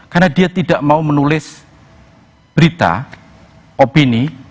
karena dia tidak mau menulis berita opini